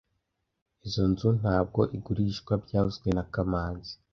Izoi nzu ntabwo igurishwa byavuzwe na kamanzi